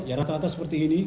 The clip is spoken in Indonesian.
ya rata rata seperti ini